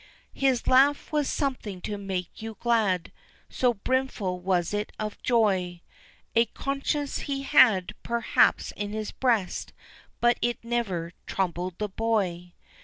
His laugh was something to make you glad, So brimful was it of joy, A conscience he had, perhaps, in his breast, But it never troubled the boy.